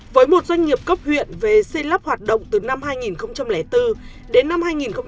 với một doanh nghiệp cấp huyện về xây lắp hoạt động từ năm hai nghìn bốn đến năm hai nghìn một mươi